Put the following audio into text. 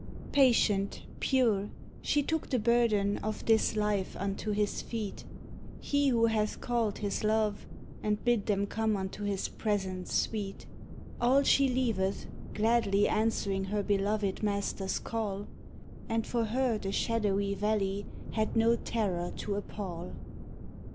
Patient, pure, she took the burden of this life unto His feet, Who hath called His loved and bid them come unto His presence sweet; All she leaveth, gladly answering her beloved Master's call, And for her the shadowy valley had no terror to appal.